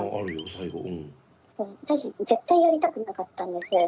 そう私絶対やりたくなかったんです。